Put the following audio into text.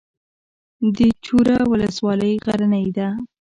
د چوره ولسوالۍ غرنۍ ده